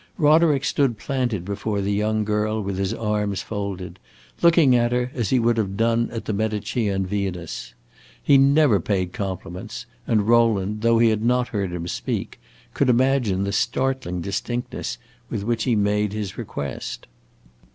Roderick stood planted before the young girl with his arms folded, looking at her as he would have done at the Medicean Venus. He never paid compliments, and Rowland, though he had not heard him speak, could imagine the startling distinctness with which he made his request.